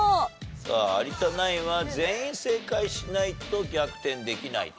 さあ有田ナインは全員正解しないと逆転できないと。